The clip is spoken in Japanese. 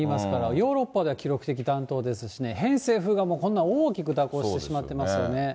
ヨーロッパでは記録的暖冬ですしね、偏西風がこんな大きく蛇行してしまってますよね。